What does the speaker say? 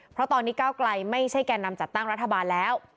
เพราะตอนนี้ก้าวไกลไม่ใช่แก่นำจัดตั้งรัฐบาลแล้ว